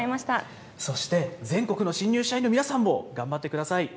そして、全国の新入社員の皆さんも頑張ってください。